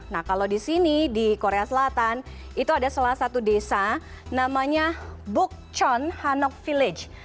nah kalau di sini di korea selatan itu ada salah satu desa namanya bukchon hanok village